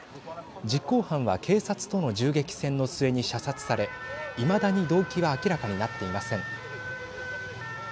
実行犯は警察との銃撃戦の末に射殺されいまだに動機は明らかになっていません。